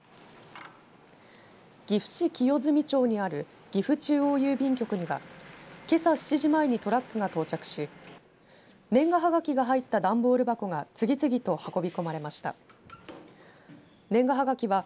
岐阜市清住町にある岐阜中央郵便局にはけさ７時前にトラックが到着し年賀はがきが入った段ボール箱が次々と運び込まれました。